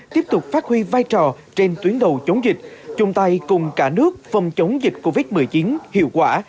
tiếp tục phát huy vai trò trên tuyến đầu chống dịch chung tay cùng cả nước phòng chống dịch covid một mươi chín hiệu quả